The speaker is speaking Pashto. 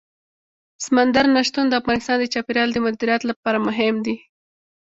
سمندر نه شتون د افغانستان د چاپیریال د مدیریت لپاره مهم دي.